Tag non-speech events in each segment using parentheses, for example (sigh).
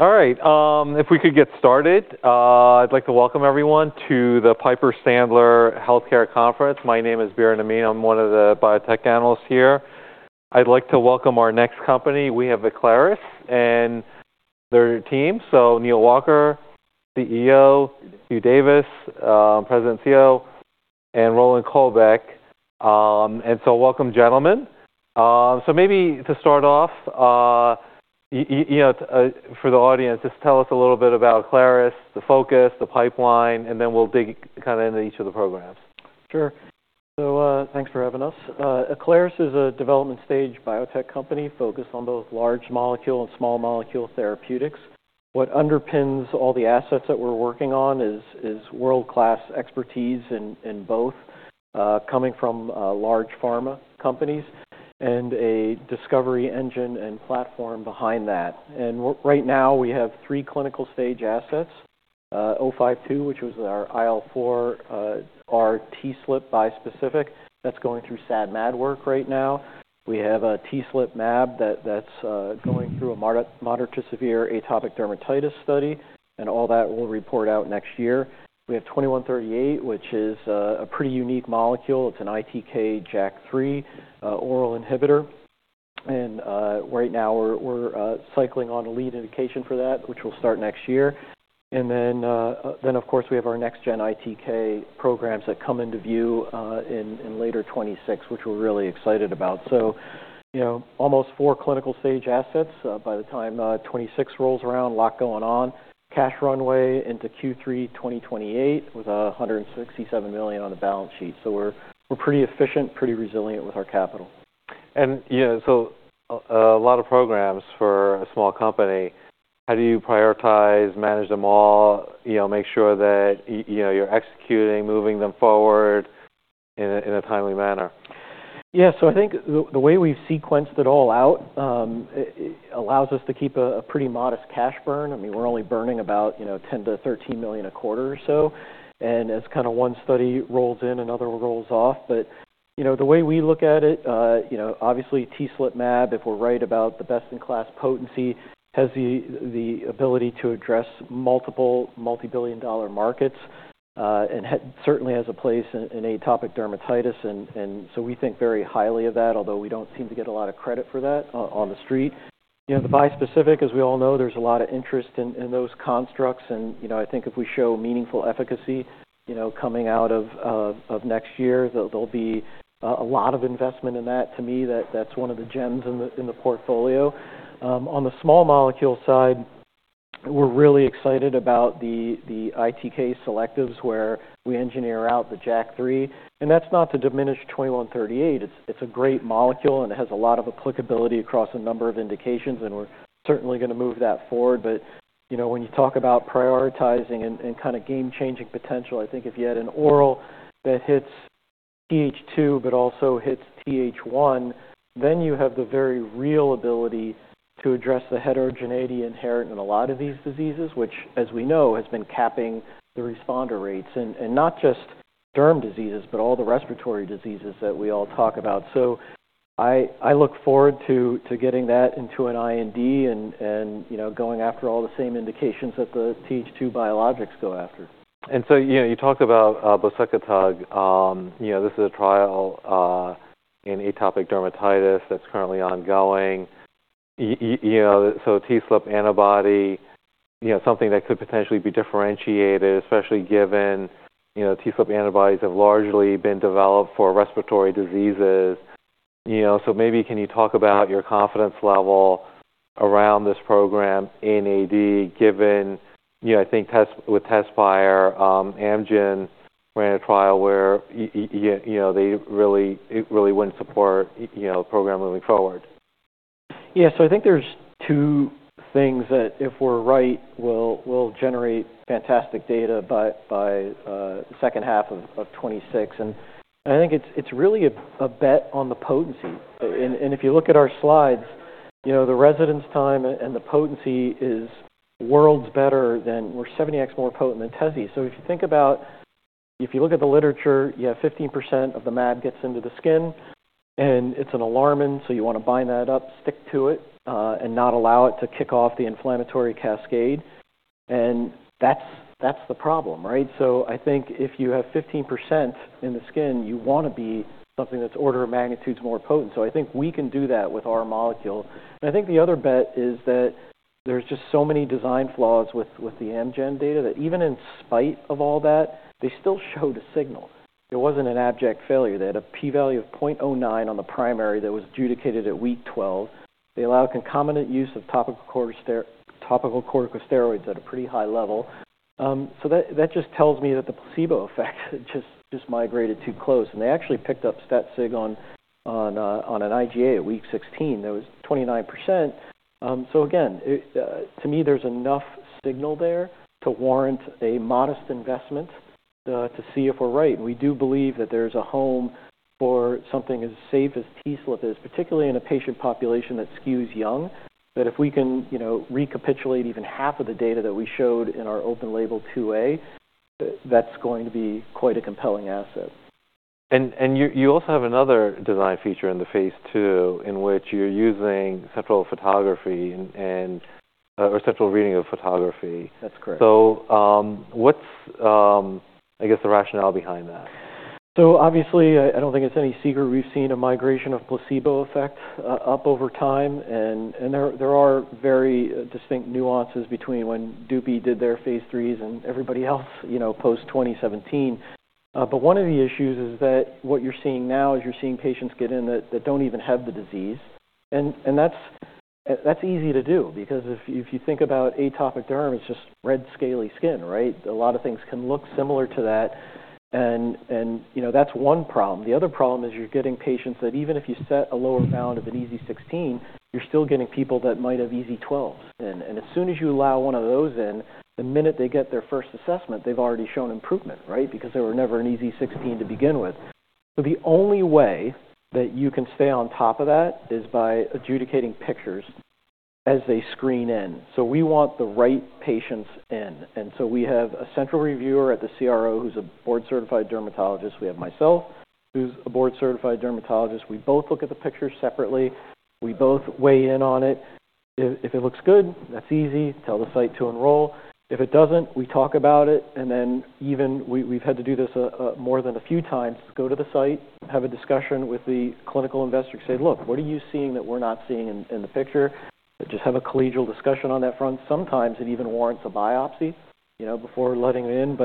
All right. If we could get started, I'd like to welcome everyone to the Piper Sandler Healthcare Conference. My name is Biren Amin. I'm one of the biotech analysts here. I'd like to welcome our next company. We have Aclaris and their team. Neal Walker, CEO; Hugh Davis, President, CEO; and Roland Kolbeck. Welcome, gentlemen. Maybe to start off, you know, for the audience, just tell us a little bit about Aclaris, the focus, the pipeline, and then we'll dig kinda into each of the programs. Sure. Thanks for having us. Aclaris is a development-stage biotech company focused on both large molecule and small molecule therapeutics. What underpins all the assets that we're working on is world-class expertise in both, coming from large pharma companies and a discovery engine and platform behind that. Right now, we have three clinical-stage assets, ATI-O52, which was our IL-4, our TSLP bispecific that's going through SAD/MAD work right now. We have a TSLP mAb that's going through a moderate-to-severe atopic dermatitis study, and all that will report out next year. We have ATI-2138, which is a pretty unique molecule. It's an ITK JAK3 oral inhibitor. Right now, we're cycling on a lead indication for that, which will start next year. Then, of course, we have our next-gen ITK programs that come into view in later 2026, which we're really excited about. You know, almost four clinical-stage assets by the time 2026 rolls around, a lot going on. Cash runway into Q3 2028 with $167 million on the balance sheet. We're pretty efficient, pretty resilient with our capital. A lot of programs for a small company. How do you prioritize, manage them all, you know, make sure that, you know, you're executing, moving them forward in a, in a timely manner? Yeah. I think the way we've sequenced it all out, it allows us to keep a pretty modest cash burn. I mean, we're only burning about, you know, $10 million-$13 million a quarter or so. As kind of one study rolls in, another rolls off. You know, the way we look at it, obviously, TSLP mAb, if we're right about the best-in-class potency, has the ability to address multiple, multi-billion-dollar markets, and certainly has a place in atopic dermatitis. We think very highly of that, although we don't seem to get a lot of credit for that on the street. You know, the bispecific, as we all know, there's a lot of interest in those constructs. You know, I think if we show meaningful efficacy, you know, coming out of next year, there'll be a lot of investment in that. To me, that's one of the gems in the portfolio. On the small molecule side, we're really excited about the ITK selectives where we engineer out the JAK3. That's not to diminish 2138. It's a great molecule, and it has a lot of applicability across a number of indications, and we're certainly gonna move that forward. You know, when you talk about prioritizing and, and kinda game-changing potential, I think if you had an oral that hits Th2 but also hits Th1, then you have the very real ability to address the heterogeneity inherent in a lot of these diseases, which, as we know, has been capping the responder rates in, in not just derm diseases but all the respiratory diseases that we all talk about. I look forward to, to getting that into an IND and, and, you know, going after all the same indications that the Th2 biologics go after. You talked about BSI-045B. This is a trial in atopic dermatitis that's currently ongoing. You know, TSLP antibody, something that could potentially be differentiated, especially given TSLP antibodies have largely been developed for respiratory diseases. Maybe can you talk about your confidence level around this program in AD given, I think with Tezspire, Amgen ran a trial where they really, it really wouldn't support the program moving forward? Yeah. I think there's two things that if we're right, we'll generate fantastic data by the second half of 2026. I think it's really a bet on the potency. If you look at our slides, the residence time and the potency is worlds better, and we're 70x more potent than Tezzy. If you think about it, if you look at the literature, you have 15% of the mAb gets into the skin, and it's an alarmin, so you want to bind that up, stick to it, and not allow it to kick off the inflammatory cascade. That's the problem, right? I think if you have 15% in the skin, you want to be something that's orders of magnitude more potent. I think we can do that with our molecule. I think the other bet is that there's just so many design flaws with the Amgen data that even in spite of all that, they still showed a signal. There wasn't an abject failure. They had a p-value of 0.09 on the primary that was adjudicated at week 12. They allowed concomitant use of topical corticosteroid, topical corticosteroids at a pretty high level. That just tells me that the placebo effect just migrated too close. They actually picked up stat sig on an IGA at week 16. That was 29%. Again, to me, there's enough signal there to warrant a modest investment to see if we're right. We do believe that there's a home for something as safe as TSLP is, particularly in a patient population that skews young, that if we can, you know, recapitulate even half of the data that we showed in our open-label II-A, that's going to be quite a compelling asset. You also have another design feature in the phase II in which you're using central photography and, or central reading of photography. That's correct. What's, I guess, the rationale behind that? Obviously, I don't think it's any secret we've seen a migration of placebo effect up over time. There are very distinct nuances between when Dupey did their phase IIIs and everybody else, you know, post-2017. One of the issues is that what you're seeing now is you're seeing patients get in that don't even have the disease. That's easy to do because if you think about atopic derm, it's just red, scaly skin, right? A lot of things can look similar to that. You know, that's one problem. The other problem is you're getting patients that even if you set a lower bound of an EASI 16, you're still getting people that might have EASI 12s. As soon as you allow one of those in, the minute they get their first assessment, they've already shown improvement, right? Because there were never an EASI 16 to begin with. The only way that you can stay on top of that is by adjudicating pictures as they screen in. We want the right patients in. We have a central reviewer at the CRO who's a board-certified dermatologist. I am a board-certified dermatologist. We both look at the pictures separately. We both weigh in on it. If it looks good, that's EASI. Tell the site to enroll. If it doesn't, we talk about it. We've had to do this more than a few times. Go to the site, have a discussion with the clinical investor and say, "Look, what are you seeing that we're not seeing in, in the picture?" Just have a collegial discussion on that front. Sometimes it even warrants a biopsy, you know, before letting it in.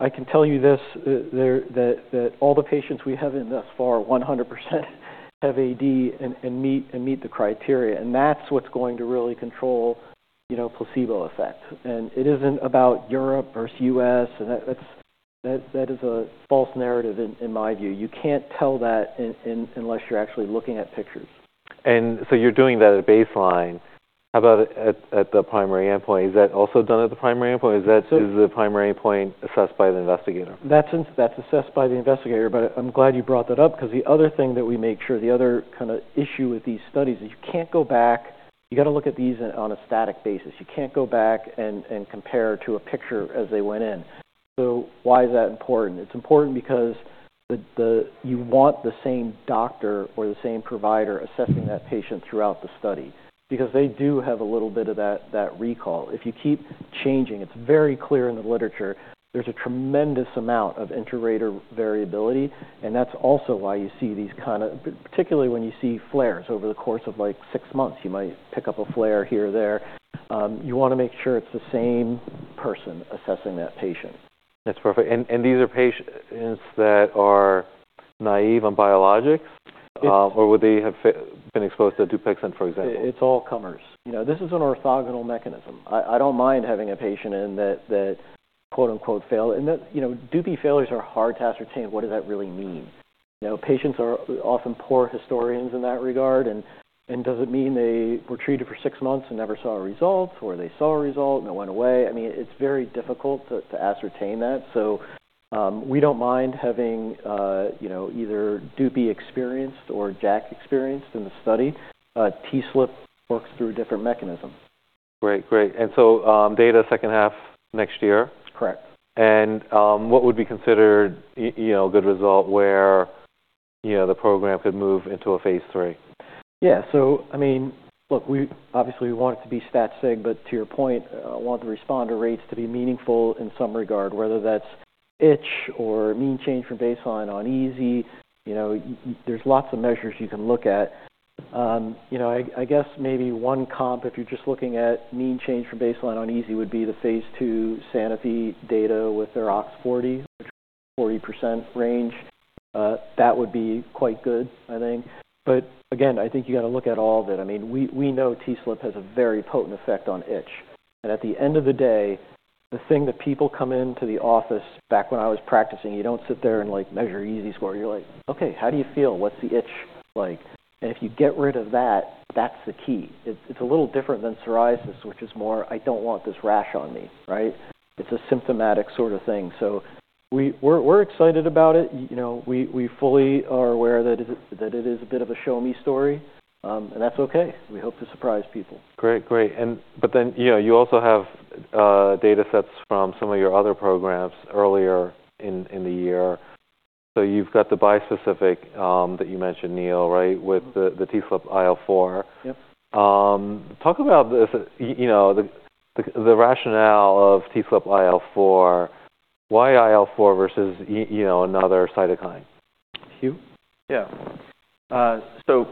I can tell you this, that all the patients we have in thus far, 100% have AD and meet and meet the criteria. That's what's going to really control, you know, placebo effect. It isn't about Europe versus U.S., that is a false narrative in my view. You can't tell that unless you're actually looking at pictures. You're doing that at baseline. How about at the primary endpoint? Is that also done at the primary endpoint? Is that. So. Is the primary endpoint assessed by the investigator? That's assessed by the investigator. I'm glad you brought that up 'cause the other thing that we make sure, the other kind of issue with these studies is you can't go back. You gotta look at these on a static basis. You can't go back and compare to a picture as they went in. Why is that important? It's important because you want the same doctor or the same provider assessing that patient throughout the study because they do have a little bit of that recall. If you keep changing, it's very clear in the literature. There's a tremendous amount of inter-rater variability, and that's also why you see these kind of, particularly when you see flares over the course of like six months. You might pick up a flare here or there. You wanna make sure it's the same person assessing that patient. That's perfect. And these are patients that are naive on biologics? Or would they have been exposed to Dupixent, for example? It's all comers. You know, this is an orthogonal mechanism. I don't mind having a patient in that, that "failed." You know, Dupey failures are hard to ascertain. What does that really mean? You know, patients are often poor historians in that regard. Does it mean they were treated for six months and never saw a result, or they saw a result and it went away? I mean, it's very difficult to ascertain that. We don't mind having, you know, either Dupey experienced or JAK experienced in the study. T-Slip works through a different mechanism. Great. Great. Data second half next year. Correct. What would be considered, you know, a good result where, you know, the program could move into a phase III? Yeah. I mean, look, we obviously, we want it to be stat sig, but to your point, I want the responder rates to be meaningful in some regard, whether that's itch or mean change from baseline on EASI. You know, there's lots of measures you can look at. I guess maybe one comp, if you're just looking at mean change from baseline on EASI, would be the phase II Sanofi data with their OX40, which is 40% range. That would be quite good, I think. Again, I think you gotta look at all of it. I mean, we know TSLP has a very potent effect on itch. At the end of the day, the thing that people come into the office back when I was practicing, you don't sit there and, like, measure EASI score. You're like, "Okay. How do you feel? What's the itch like?" And if you get rid of that, that's the key. It's, it's a little different than psoriasis, which is more, "I don't want this rash on me," right? It's a symptomatic sort of thing. We are excited about it. You know, we fully are aware that it is a bit of a show-me story, and that's okay. We hope to surprise people. Great. Great. You also have data sets from some of your other programs earlier in the year. You have the bispecific that you mentioned, Neal, with the TSLP IL-4. Yep. Talk about this, you know, the, the rationale of TSLP IL-4. Why IL-4 versus, you know, another cytokine? Hugh? Yeah. So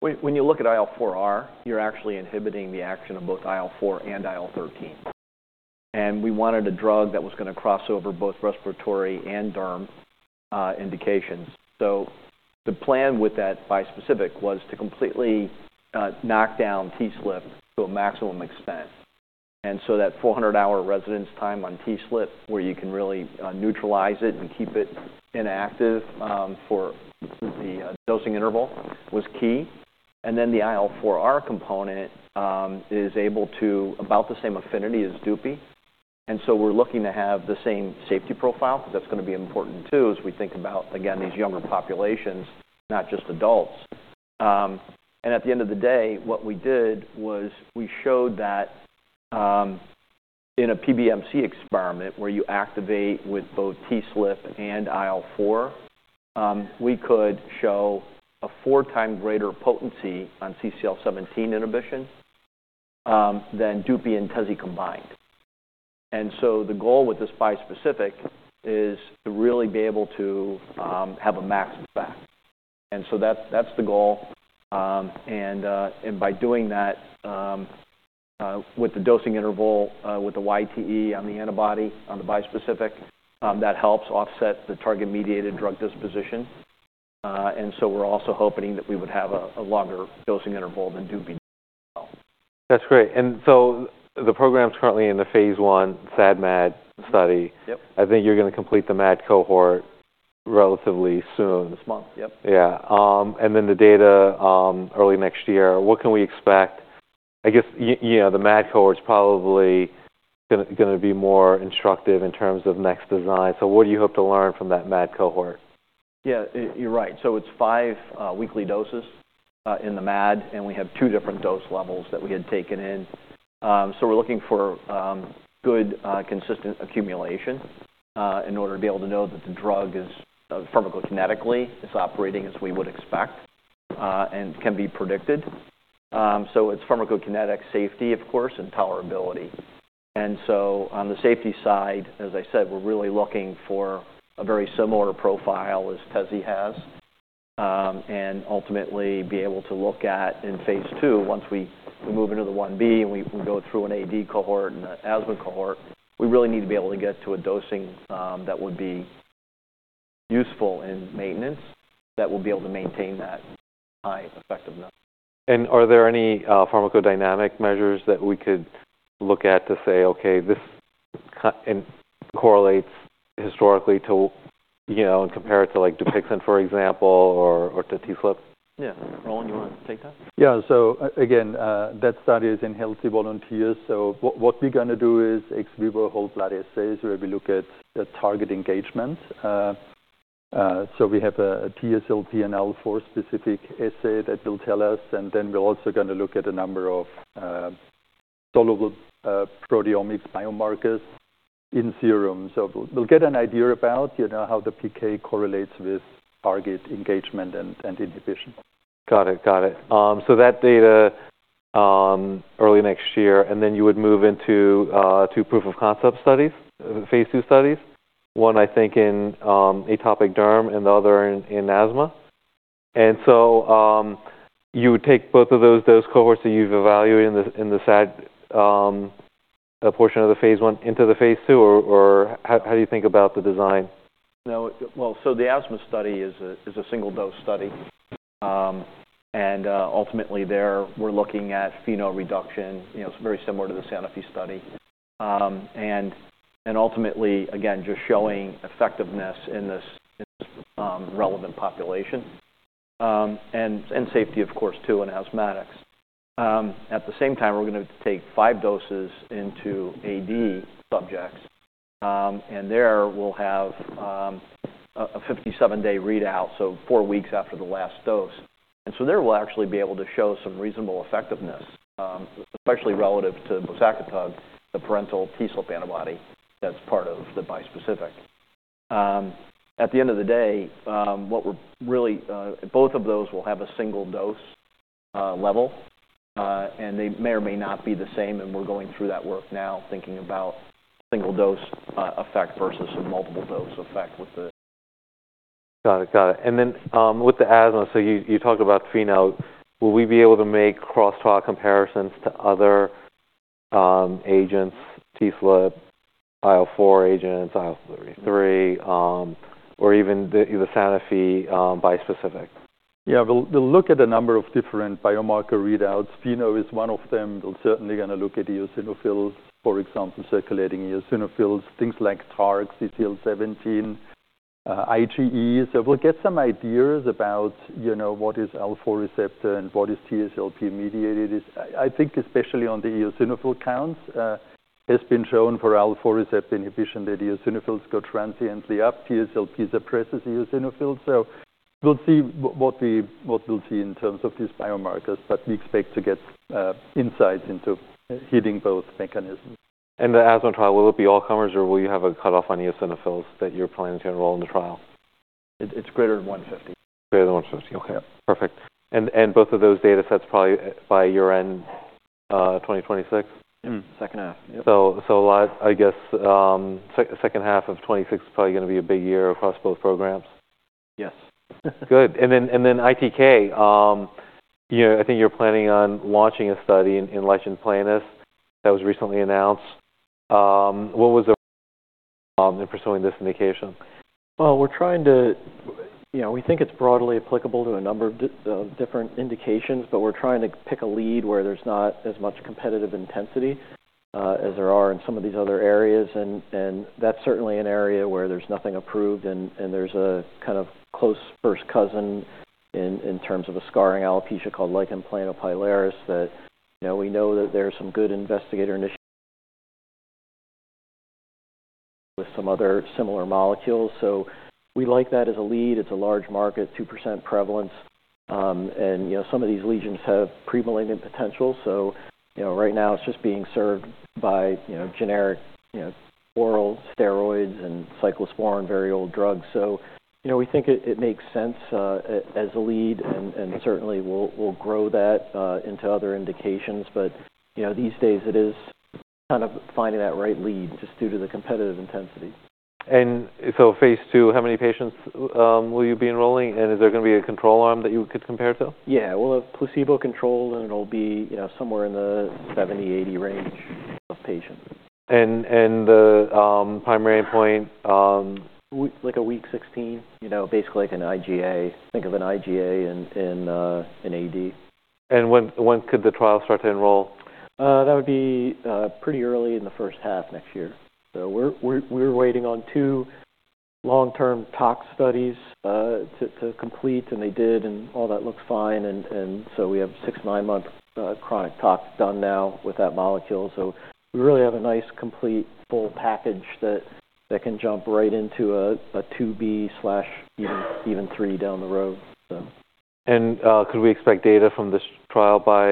when you look at IL-4R, you're actually inhibiting the action of both IL-4 and IL-13. We wanted a drug that was gonna cross over both respiratory and derm indications. The plan with that bispecific was to completely knock down TSLP to a maximum extent. That 400-hour residence time on TSLP, where you can really neutralize it and keep it inactive for the dosing interval, was key. The IL-4R component is able to about the same affinity as Dupixent. We're looking to have the same safety profile 'cause that's gonna be important too as we think about, again, these younger populations, not just adults. At the end of the day, what we did was we showed that, in a PBMC experiment where you activate with both TSLP and IL-4, we could show a four-time greater potency on CCL17 inhibition, than Dupey and Tezzy combined. The goal with this bispecific is to really be able to have a max effect. That is the goal. By doing that, with the dosing interval, with the YTE on the antibody on the bispecific, that helps offset the target-mediated drug disposition. We are also hoping that we would have a longer dosing interval than Dupey does. That's great. The program's currently in the phase one SAD MAD study. Yep. I think you're gonna complete the MAD cohort relatively soon. This month. Yep. Yeah. And then the data, early next year. What can we expect? I guess, you know, the MAD cohort's probably gonna be more instructive in terms of next design. What do you hope to learn from that MAD cohort? Yeah, you're right. It's five weekly doses in the MAD, and we have two different dose levels that we had taken in. We're looking for good, consistent accumulation in order to be able to know that the drug is pharmacokinetically operating as we would expect, and can be predicted. It's pharmacokinetic safety, of course, and tolerability. On the safety side, as I said, we're really looking for a very similar profile as Tezzy has, and ultimately be able to look at in phase II once we move into the I-B and we go through an AD cohort and an asthma cohort. We really need to be able to get to a dosing that would be useful in maintenance that will be able to maintain that high effectiveness. Are there any pharmacodynamic measures that we could look at to say, "Okay. This ki and correlates historically to, you know, and compare it to, like, Dupixent, for example, or, or to TSLP? Yeah. Hugh, you wanna take that? Yeah. Again, that study is in healthy volunteers. What we're gonna do is ex vivo whole blood assays where we look at the target engagement. We have a TSLP and IL-4-specific assay that will tell us. Then we're also gonna look at a number of soluble proteomics biomarkers in serums. We'll get an idea about, you know, how the PK correlates with target engagement and inhibition. Got it. Got it. That data, early next year. Then you would move into two proof-of-concept studies, phase II studies, one I think in atopic derm and the other in asthma. You would take both of those dose cohorts that you've evaluated in the SAD portion of the phase one into the phase II or how do you think about the design? No. The asthma study is a single-dose study, and ultimately there, we're looking at FeNO reduction, you know, very similar to the Sanofi study. Ultimately, again, just showing effectiveness in this relevant population, and safety, of course, too, in asthmatics. At the same time, we're gonna take five doses into AD subjects, and there we'll have a 57-day readout, so four weeks after the last dose. There we'll actually be able to show some reasonable effectiveness, especially relative to BSI-045B, the parental TSLP antibody that's part of the bispecific. At the end of the day, both of those will have a single dose level, and they may or may not be the same. We're going through that work now, thinking about single-dose effect versus a multiple-dose effect with the. Got it. Got it. With the asthma, you talked about FeNO. Will we be able to make cross-talk comparisons to other agents, TSLP, IL-4 agents, IL-33, or even the Sanofi bispecific? Yeah. We'll look at a number of different biomarker readouts. FeNO is one of them. We're certainly gonna look at eosinophils, for example, circulating eosinophils, things like TARC,/CCL17, IgE. We'll get some ideas about what is IL-4 receptor and what is TSLP-mediated. I think especially on the eosinophil counts, it has been shown for IL-4 receptor inhibition that eosinophils go transiently up. TSLP suppresses eosinophils. We'll see what we'll see in terms of these biomarkers, but we expect to get insights into hitting both mechanisms. Will the asthma trial be all comers or will you have a cutoff on eosinophils that you're planning to enroll in the trial? It's greater than 150. Greater than 150. Okay. Perfect. And both of those data sets probably, by year end, 2026? Mm-hmm. Second half. Yep. A lot, I guess, second half of 2026 is probably gonna be a big year across both programs. Yes. Good. And then ITK, you know, I think you're planning on launching a study in lichen planus that was recently announced. What was the, in pursuing this indication? We're trying to, you know, we think it's broadly applicable to a number of different indications, but we're trying to pick a lead where there's not as much competitive intensity, as there are in some of these other areas. That's certainly an area where there's nothing approved. There's a kind of close first cousin in terms of a scarring alopecia called lichen planopilaris that, you know, we know that there's some good investigator initiative with some other similar molecules. We like that as a lead. It's a large market, 2% prevalence. You know, some of these lesions have premalignant potential. Right now it's just being served by, you know, generic, you know, oral steroids and cyclosporine, very old drugs. You know, we think it makes sense as a lead. We'll grow that into other indications. You know, these days it is kind of finding that right lead just due to the competitive intensity. Phase II, how many patients will you be enrolling? Is there gonna be a control arm that you could compare to? Yeah. We'll have placebo control, and it'll be, you know, somewhere in the 70-80 range of patients. And the primary endpoint, We like a week 16, you know, basically like an IGA. Think of an IGA in, in, in AD. When could the trial start to enroll? That would be pretty early in the first half next year. We're waiting on two long-term tox studies to complete. They did, and all that looks fine. We have six to nine-month chronic tox done now with that molecule. We really have a nice complete full package that can jump right into a II-B, even three down the road. Could we expect data from this trial by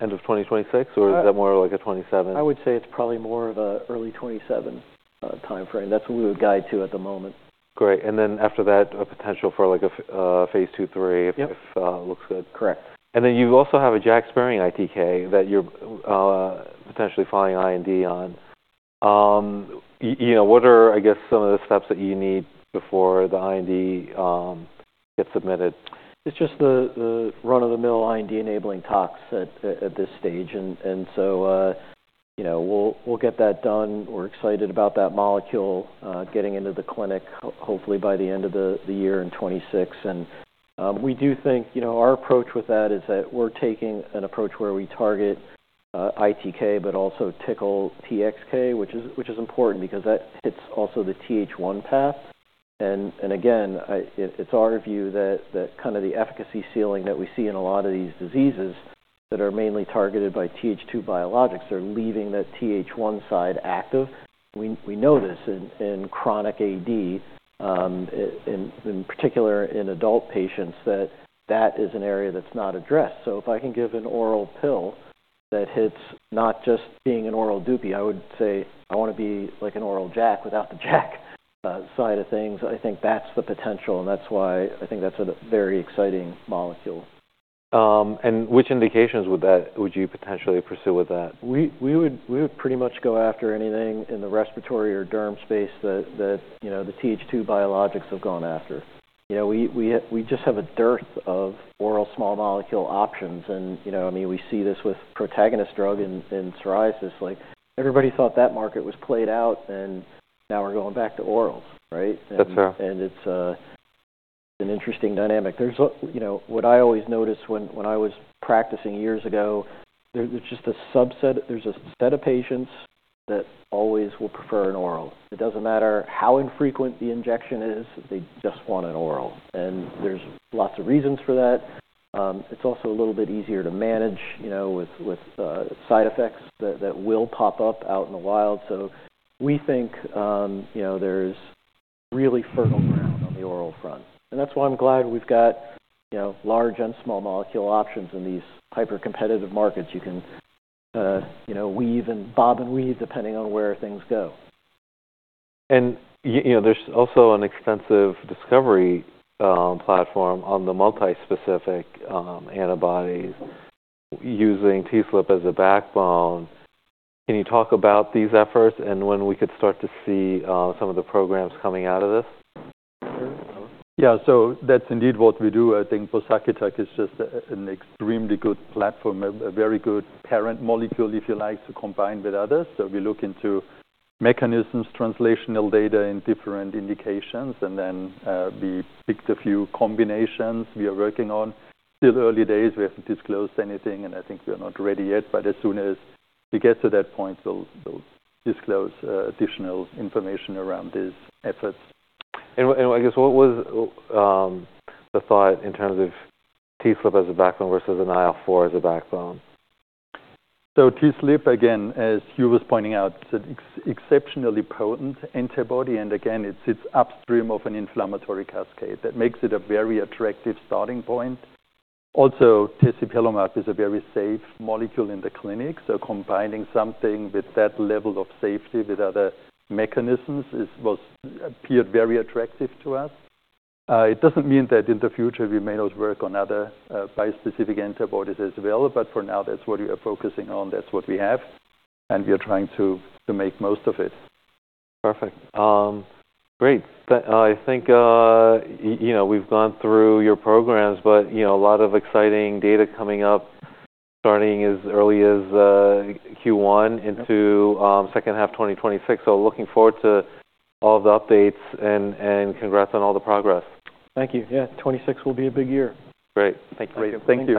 end of 2026? (crosstalk) Or is that more like a 2027? I would say it's probably more of a early 2027 timeframe. That's what we would guide to at the moment. Great. After that, a potential for like a phase II, III. Yep. If, looks good. Correct. You also have a JAK-sparing ITK that you're potentially filing IND on. You know, what are, I guess, some of the steps that you need before the IND gets submitted? It's just the run-of-the-mill IND-enabling tox at this stage. And, you know, we'll get that done. We're excited about that molecule, getting into the clinic hopefully by the end of the year in 2026. We do think, you know, our approach with that is that we're taking an approach where we target ITK but also tickle TXK, which is important because that hits also the Th1 path. Again, it's our view that kind of the efficacy ceiling that we see in a lot of these diseases that are mainly targeted by Th2 biologics are leaving that Th1 side active. We know this in chronic AD, and in particular in adult patients that that is an area that's not addressed. If I can give an oral pill that hits not just being an oral Dupey, I would say, "I wanna be like an oral Jack without the Jack, side of things." I think that's the potential. I think that's a very exciting molecule. Which indications would you potentially pursue with that? We would pretty much go after anything in the respiratory or derm space that, you know, the Th2 biologics have gone after. You know, we just have a dearth of oral small molecule options. And, you know, I mean, we see this with Protagonist Therapeutics' drug in psoriasis. Like, everybody thought that market was played out, and now we're going back to orals, right? That's fair. It's an interesting dynamic. There's what, you know, what I always noticed when I was practicing years ago, there's just a subset, there's a set of patients that always will prefer an oral. It doesn't matter how infrequent the injection is, they just want an oral. And there's lots of reasons for that. It's also a little bit easier to manage, you know, with side effects that will pop up out in the wild. We think, you know, there's really fertile ground on the oral front. That's why I'm glad we've got, you know, large and small molecule options in these hyper-competitive markets. You can, you know, weave and bob and weave depending on where things go. You know, there's also an extensive discovery platform on the multi-specific antibodies using TSLP as a backbone. Can you talk about these efforts and when we could start to see some of the programs coming out of this? Sure. Yeah. That's indeed what we do. I think BSI-045B is just an extremely good platform, a very good parent molecule, if you like, to combine with others. We look into mechanisms, translational data in different indications, and then we picked a few combinations we are working on. Still early days. We haven't disclosed anything, and I think we are not ready yet. As soon as we get to that point, we'll disclose additional information around these efforts. I guess what was the thought in terms of TSLP as a backbone versus an IL-4 as a backbone. TSLP, again, as Hugh was pointing out, is an exceptionally potent antibody. Again, it sits upstream of an inflammatory cascade that makes it a very attractive starting point. Also, Tezspire is a very safe molecule in the clinic. Combining something with that level of safety with other mechanisms was very attractive to us. It does not mean that in the future we may not work on other bispecific antibodies as well. For now, that is what we are focusing on. That is what we have, and we are trying to make the most of it. Perfect. Great. I think, you know, we've gone through your programs, but, you know, a lot of exciting data coming up starting as early as Q1 into second half 2026. Looking forward to all of the updates and congrats on all the progress. Thank you. Yeah. 2026 will be a big year. Great. Thank you. Thank you.